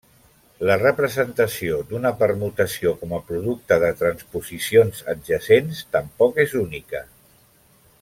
La representació d'una permutació com a producte de transposicions adjacents tampoc és única.